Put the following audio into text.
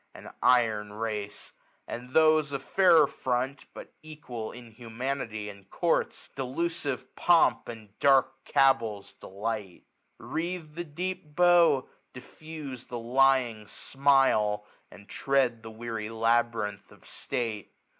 An iron race ! and those of jfairer .&ont^ B}it ^ual inhumanity, in courts. Delusive pomp, a^d dark cabals, delight ; Wreathe the deep bow, diffuse the lying smile. And tread the w eary labyrinth of state.